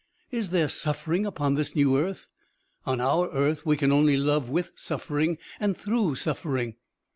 Is there suffering upon this new earth? On our earth we can only love with suffering and through suffering.